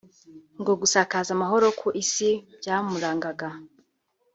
no gusakaza amahoro ku Isi byamurangaga